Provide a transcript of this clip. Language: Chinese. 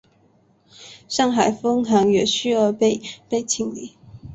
上海分行也继而被被清理。